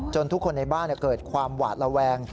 ทุกคนในบ้านเกิดความหวาดระแวง